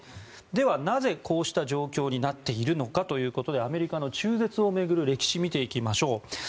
では、なぜこうした状況になっているのかということでアメリカの中絶を巡る歴史を見ていきましょう。